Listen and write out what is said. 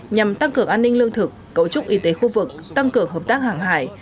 nhằm tăng cường an ninh lương thực cấu trúc y tế khu vực tăng cường hợp tác hàng hải